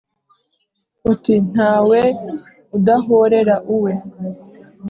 uti: nta we udahorera uwe.